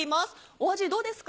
お味どうですか？